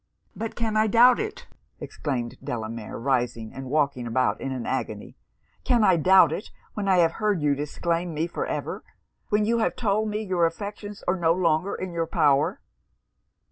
'But can I doubt it!' exclaimed Delamere, rising, and walking about in an agony 'Can I doubt it, when I have heard you disclaim me for ever! when you have told me your affections are no longer in your power!'